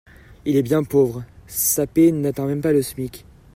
Il est bien pauvre, sa paye n'atteint même pas le smic.